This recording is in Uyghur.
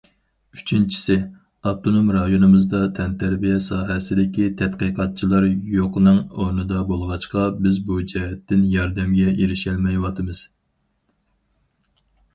ئۈچىنچىسى، ئاپتونوم رايونىمىزدا تەنتەربىيە ساھەسىدىكى تەتقىقاتچىلار يوقنىڭ ئورنىدا بولغاچقا، بىز بۇ جەھەتتىن ياردەمگە ئېرىشەلمەيۋاتىمىز.